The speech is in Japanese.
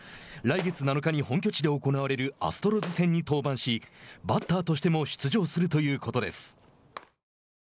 来月７日に本拠地で行われるアストロズ戦に登板しバッターとしても出場するということです。